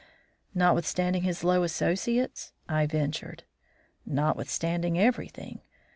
"Notwithstanding his low associates?" I ventured. "Notwithstanding everything.